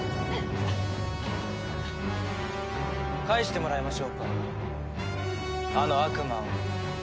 返してもらいましょうかあの悪魔を。